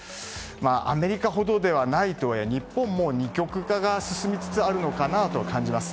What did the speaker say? アメリカほどではないとはいえ日本も、二極化が進みつつあるのかなと感じます。